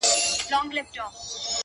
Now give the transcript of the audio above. ډک له دوستانو ورک مي اغیار وي -